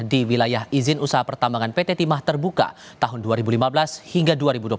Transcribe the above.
di wilayah izin usaha pertambangan pt timah terbuka tahun dua ribu lima belas hingga dua ribu dua puluh satu